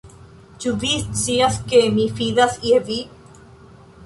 Ĉu vi scias ke mi fidas je vi?